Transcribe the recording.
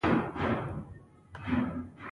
ای ګوليه ابا نا جوړه دی تاسې مېلې کوئ.